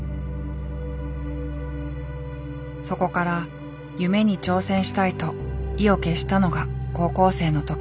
そこから夢に挑戦したいと意を決したのが高校生の時。